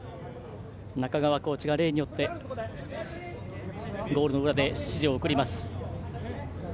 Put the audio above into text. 中川コーチが例によってゴールの裏で指示を送ります。